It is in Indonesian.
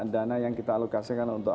dana yang kita alokasikan untuk